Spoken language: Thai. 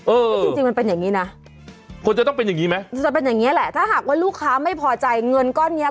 จริงจริงมันเป็นอย่างงี้นะควรจะต้องเป็นอย่างนี้ไหมจะเป็นอย่างเงี้แหละถ้าหากว่าลูกค้าไม่พอใจเงินก้อนเนี้ย